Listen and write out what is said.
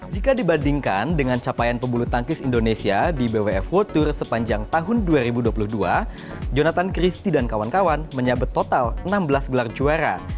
jika dibandingkan dengan capaian pebulu tangkis indonesia di bwf world tour sepanjang tahun dua ribu dua puluh dua jonathan christie dan kawan kawan menyabet total enam belas gelar juara